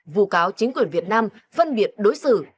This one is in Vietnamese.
vụ cáo chính quyền việt nam phân biệt đối xử